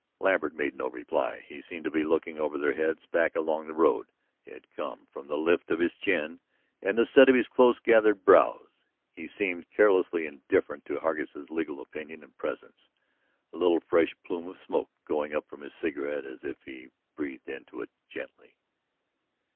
Lambert made no reply. He seemed to be looking over their heads, back along the road they had come, from the lift of his chin and the set of his close gathered brows. He seemed carelessly indifferent to Hargus' legal opinion and presence, a little fresh plume of smoke going up from his cigarette as if he breathed into it gently.